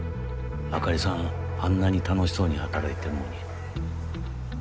あかりさんあんなに楽しそうに働いてるのに。